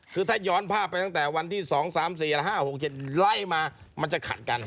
คือถ้าย้อนภาพไปตั้งแต่วันที่๒๓๔และ๕๖๗ไล่มามันจะขัดกัน